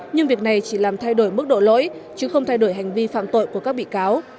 nhưng việc này chỉ làm thay đổi mức độ lỗi chứ không thay đổi hành vi phạm tội của các bị cáo